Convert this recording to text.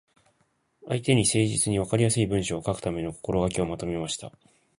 相手に誠実に、わかりやすい文章を書くための心がけをまとめました。